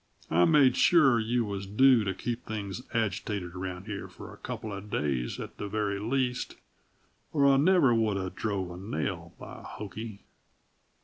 "I made sure you was due to keep things agitated around here for a couple uh days, at the very least, or I never woulda drove a nail, by hokey!"